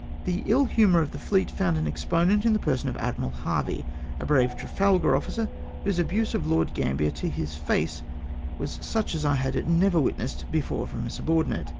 The ill humour of the fleet found an exponent in the person of Admiral Harvey, a brave Trafalgar officer, whose abuse of Lord Gambler to his face was such as I had never before witnessed from a subordinate.